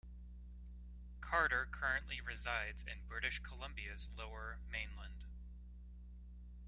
Carter currently resides in British Columbia's lower mainland.